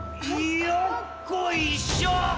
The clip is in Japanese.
よっこいしょ。